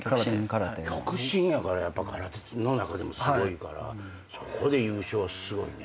極真やから空手の中でもすごいからそこで優勝はすごいね。